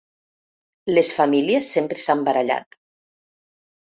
Les famílies sempre s’han barallat.